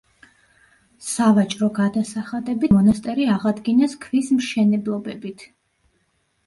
სავაჭრო გადასახადებით მონასტერი აღადგინეს ქვის მშენებლობებით.